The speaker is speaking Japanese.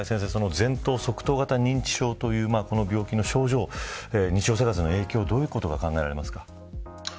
前頭側頭型認知症というこの病気の症状日常生活への影響どういうことが考えられますか。